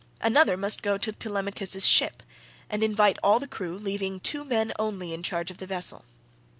Another must go to Telemachus' ship, and invite all the crew, leaving two men only in charge of the vessel.